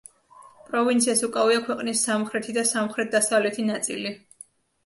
პროვინციას უკავია ქვეყნის სამხრეთი და სამხრეთ-დასავლეთი ნაწილი.